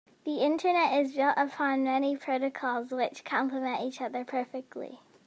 The internet is built upon many protocols which compliment each other perfectly.